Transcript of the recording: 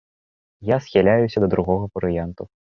Я схіляюся да другога варыянту.